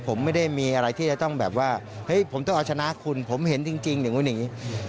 ผมไม่ได้มีอะไรที่จะต้องแบบว่าเฮ้ยผมต้องเอาชนะคุณผมเห็นจริงอย่างนู้นอย่างนี้